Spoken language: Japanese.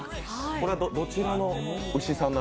これはどちらの？